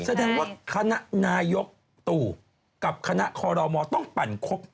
แสดงว่าคณะนายกตู่กับคณะคอรมอต้องปั่นครบ